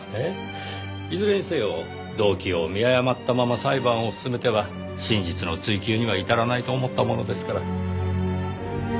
いずれにせよ動機を見誤ったまま裁判を進めては真実の追究には至らないと思ったものですから。